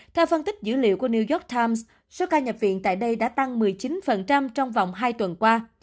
theo phân tích dữ liệu của new york times số ca nhập viện tại đây đã tăng một mươi chín trong vòng hai tuần qua